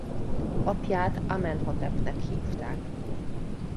Apját Amenhotepnek hívták.